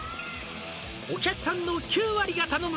「お客さんの９割が頼む」